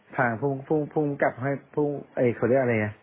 ทางพรุ่งกรรมการ